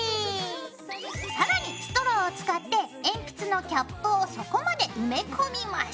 更にストローを使って鉛筆のキャップを底まで埋め込みます。